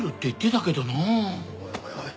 おいおいおい。